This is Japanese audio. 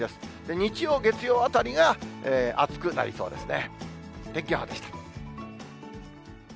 日曜、月曜あたりが暑くなりそうですね。